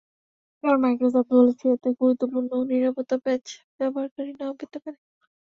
কারণ, মাইক্রোসফট বলছে, এতে গুরুত্বপূর্ণ নিরাপত্তা প্যাঁচ ব্যবহারকারী নাও পেতে পারে।